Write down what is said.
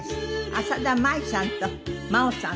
浅田舞さんと真央さん。